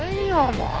もう。